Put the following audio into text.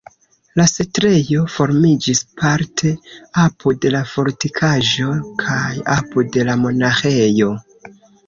La setlejo formiĝis parte apud la fortikaĵo kaj apud la monaĥejo.